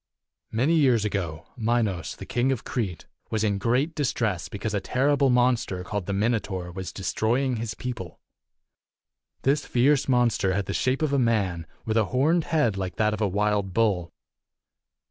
i. Many years ago, Minos, the King of Crete, was in great distress because a terrible monster, called the Minotaur, was destroying his people. This fierce monster had the shape of a man, with a horned head like that of a wild bull.